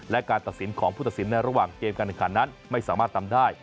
และการตัดสินของผู้ตัดสินในระหว่างเกมการแข่งขันนั้นไม่สามารถทำได้